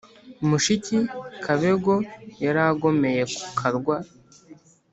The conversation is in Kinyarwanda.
umushi kabego yari agomeye ku karwa,